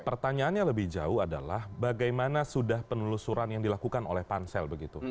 pertanyaannya lebih jauh adalah bagaimana sudah penelusuran yang dilakukan oleh pansel begitu